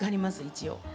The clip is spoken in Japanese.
一応。